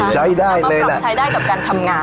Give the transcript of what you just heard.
กลับใช้ได้กับการทำงาน